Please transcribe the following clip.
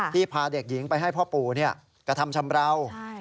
พาเด็กหญิงไปให้พ่อปู่กระทำชำราว